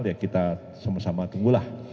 ya kita sama sama tunggulah